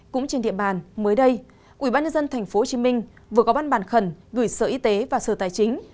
cũng trên điện bàn mới đây ubnd tp hcm vừa có bán bàn khẩn gửi sở y tế và sở tài chính